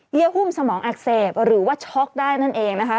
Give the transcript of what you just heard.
หุ้มสมองอักเสบหรือว่าช็อกได้นั่นเองนะคะ